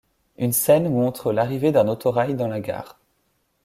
Une scène montre l'arrivée d'un autorail dans la gare.